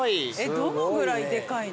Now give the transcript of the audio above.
どのぐらいでかいの？